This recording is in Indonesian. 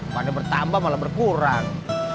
pada bertambah malah berkurang